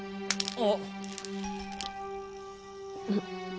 あっ。